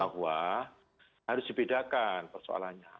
bahwa harus dibedakan soalannya